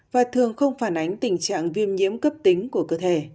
và thường không phản ánh tình trạng viêm nhiễm cấp tính của cơ thể